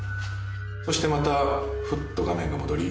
そしてまたふっと画面が戻り